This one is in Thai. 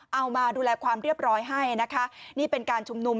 เอามาดูแลความเรียบร้อยให้นะคะนี่เป็นการชุมนุม